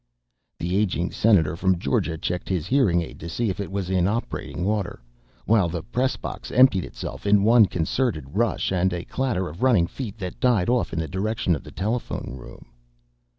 The aging Senator from Georgia checked his hearing aid to see if it was in operating order, while the press box emptied itself in one concerted rush and a clatter of running feet that died off in the direction of the telephone room.